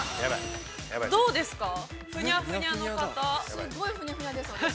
◆すごいふにゃふにゃです、私。